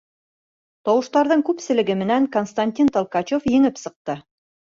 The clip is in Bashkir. Тауыштарҙың күпселеге менән Константин Толкачев еңеп сыҡты.